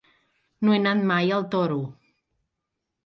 No he anat mai al Toro.